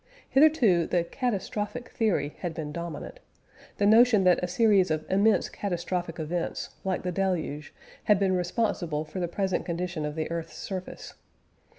Hitherto the "catastrophic theory" had been dominant the notion that a series of immense catastrophic events (like the Deluge) had been responsible for the present condition of the earth's surface.